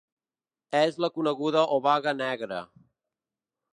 És la coneguda Obaga Negra.